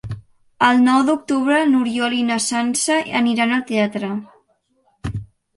El nou d'octubre n'Oriol i na Sança aniran al teatre.